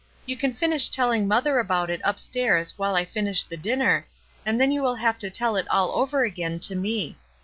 You can finish telling mother about it upstairs while I finish the dinner, and then you will have to tell it all over again, to me.